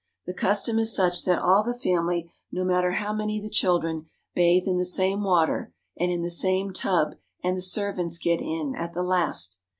The custom is such that all the family, no matter how many the children, bathe in the same water and in the same tub and the servants get in at the last.